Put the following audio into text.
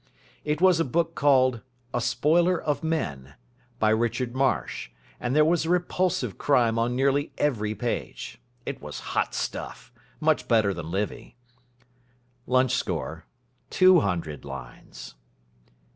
It was a book called A Spoiler of Men, by Richard Marsh, and there was a repulsive crime on nearly every page. It was Hot Stuff. Much better than Livy.... Lunch Score Two hundred lines.